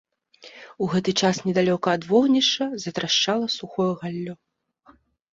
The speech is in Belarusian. У гэты час недалёка ад вогнішча затрашчала сухое галлё.